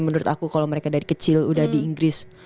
menurut aku kalau mereka dari kecil udah di inggris